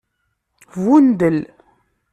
Bundel.